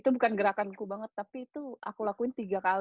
itu bukan gerakanku banget tapi itu aku lakuin tiga kali